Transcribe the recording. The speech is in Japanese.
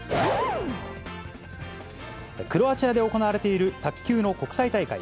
クロアチアで行われている卓球の国際大会。